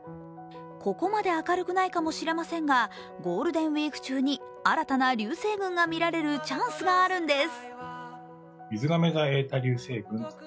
ここまで明るくないかもしれませんがゴールデンウイーク中に新たな流星群が見られるチャンスがあるんです。